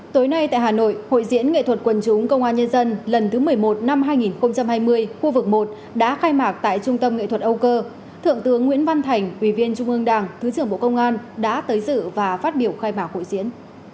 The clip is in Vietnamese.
tối nay tại hà nội hội diễn nghệ thuật quần chúng công an nhân dân lần thứ một mươi một năm hai nghìn hai mươi khu vực một đã khai mạc tại trung tâm nghệ thuật âu cơ thượng tướng nguyễn văn thành ủy viên trung ương đảng thứ trưởng bộ công an đã tới dự và phát biểu khai mạc hội diễn